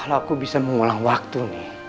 kalau aku bisa mengulang waktu